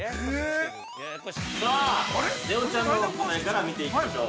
◆さあ、ねおちゃんの答えから見ていきましょう。